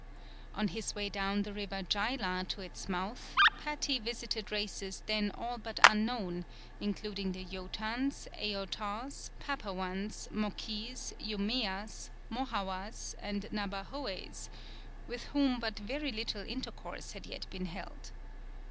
On his way down the River Gila to its mouth, Pattie visited races then all but unknown, including the Yotans, Eiotaws, Papawans, Mokees, Umeas, Mohawas, and Nabahoes, with whom but very little intercourse had yet been held.